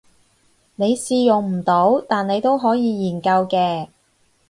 你試用唔到但你都可以研究嘅